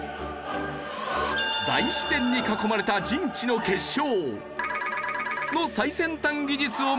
大自然に囲まれた人知の結晶。